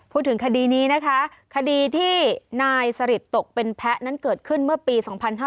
พูดถึงคดีนี้นะคะคดีที่นายสริตตกเป็นแพ้นั้นเกิดขึ้นเมื่อปี๒๕๕๙